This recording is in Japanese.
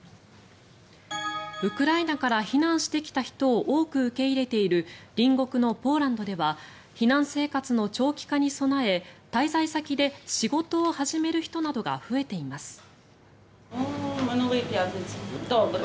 ウクライナから避難してきた人を多く受け入れている隣国のポーランドでは避難生活の長期化に備え滞在先で仕事を始める人などが増えています。